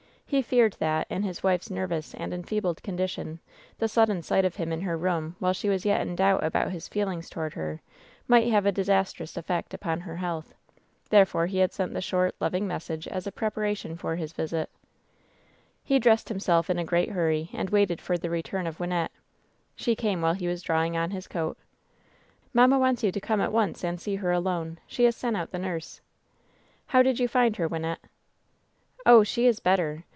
He feared that, in his wife's nervous and enfeebled condi tion, the sudden sight of him in her room while she was yet in doubt about his feelings toward her, might have a disastrous effect upon her health. Therefore he had sent the short, loving message as a preparation for his visit. «60 WHEN SHADOWS DIE He dressed himself in a great hurry, and waited fof the return of Wvnnette. She came while he was drawing on his coat. "Mamma wants you to come at once and see her alone. She has sent out the nurse." "How did you find her, Wynnette ?" "Oh, she is better.